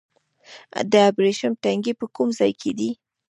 د ابریشم تنګی په کوم ځای کې دی؟